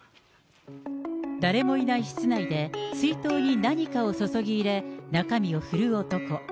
誰もいない室内で、水筒に何かを注ぎ入れ、中身を振る男。